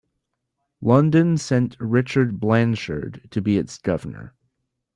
London sent Richard Blanshard to be its governor.